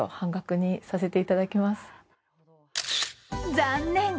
残念！